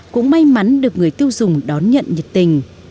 cũng may mắn được người tiêu dùng đón nhận nhiệt tình